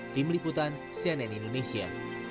tim liputan cnn indonesia